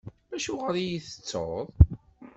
Acuɣeṛ i iyi-tettuḍ?